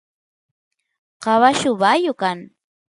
caballu bayu kan